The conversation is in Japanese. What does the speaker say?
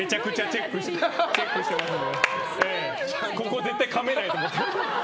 ここ絶対かめないと思って。